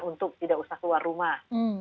untuk tidak usah keluar rumah